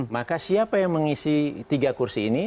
maka siapa yang mengisi tiga kursi ini